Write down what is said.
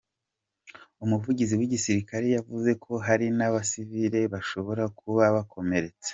Umuvugizi w'igisiriakare yavuze ko hari n'abasivile bashobora kuba bakomeretse.